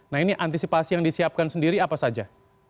nah ini antisipasi yang disiapkan sendiri apa saja